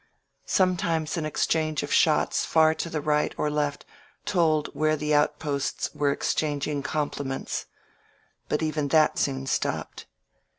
Sometimes an exchange of shots far to the right or left told where the outposts were exchanging compliments. But even that soon stopped.